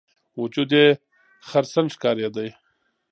وجود یې خرسن ښکارېده.